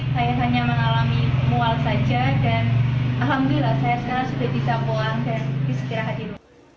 saya hanya mengalami mual saja dan alhamdulillah saya sekarang sudah bisa pulang dan bisa segera hadir